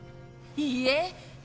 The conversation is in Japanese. いいえ。